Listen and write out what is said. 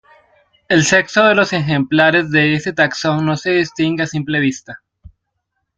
El sexo de los ejemplares de este taxón no se distingue a simple vista.